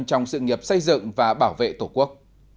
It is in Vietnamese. trong sự nghiệp xây dựng và bảo vệ tổ quốc